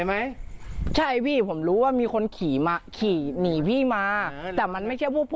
ไม่เฉียงไม่เฉียงไม่เฉียง